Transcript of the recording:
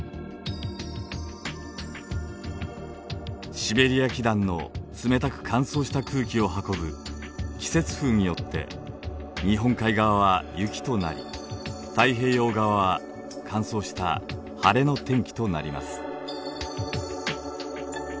シベリア気団の冷たく乾燥した空気を運ぶ季節風によって日本海側は雪となり太平洋側は乾燥した晴れの天気となります。